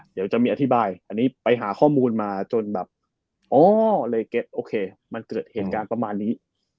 เดี๋ยวจะมีอธิบายอันนี้ไปหาข้อมูลมาจนแบบอ๋อเลยโอเคมันเกิดเหตุการณ์ประมาณนี้